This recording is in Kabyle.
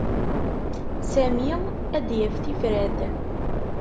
Sami ad d-yaf tifrat.